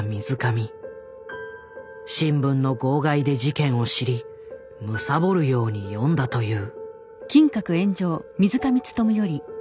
新聞の号外で事件を知り貪るように読んだという。